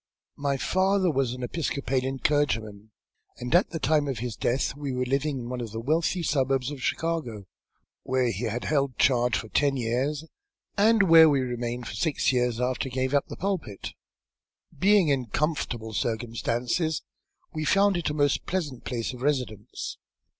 "My father was an Episcopalian clergyman, and, at the time of his death, we were living in one of the wealthy suburbs of Chicago, where he had held a charge for ten years, and where we remained for six years after he gave up the pulpit. Being in comfortable circumstances, we found it a most pleasant place of residence.